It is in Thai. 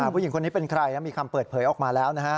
ผู้หญิงคนนี้เป็นใครนะมีคำเปิดเผยออกมาแล้วนะฮะ